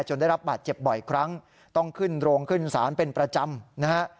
ได้รับบาดเจ็บบ่อยครั้งต้องขึ้นโรงขึ้นศาลเป็นประจำนะฮะ